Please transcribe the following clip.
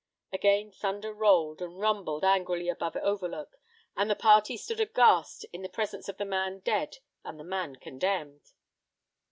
Again thunder rolled and rumbled angrily above Overlook, and the party stood aghast in the presence of the man dead and the man condemned.